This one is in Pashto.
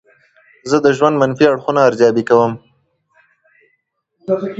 زه د ژوند منفي اړخونه ارزیابي کوم.